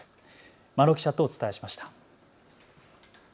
眞野記者とお伝えしました。